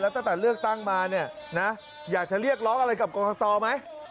แล้วตั้งแต่เลือกตั้งมาอยากจะเรียกร้องอะไรกับกรกษัตริย์ไหม